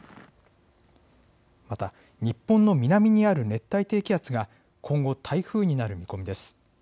また日本の南にある熱帯低気圧が今後、台風になる見込みです。